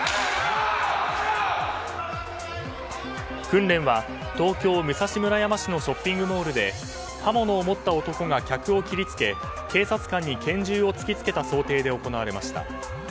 訓練は東京・武蔵村山市のショッピングモールで刃物を持った男が客を切り付け警察官に拳銃を突きつけた想定で行われました。